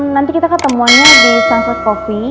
nanti kita ketemuannya di sunsort coffee